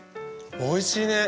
おいしいね。